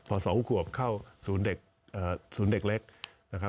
พอสองขวบเข้าศูนย์เด็กเล็ก